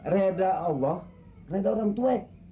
reda allah reda orang tua